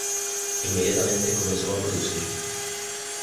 Inmediatamente comenzó a producir.